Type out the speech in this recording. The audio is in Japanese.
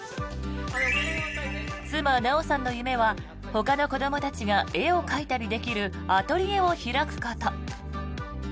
妻・奈緒さんの夢はほかの子どもたちが絵を描いたりできるアトリエを開くこと。